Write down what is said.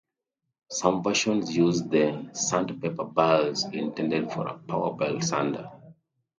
Some versions use the sandpaper belts intended for a power belt sander.